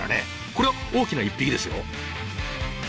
これは大きな１匹ですよ。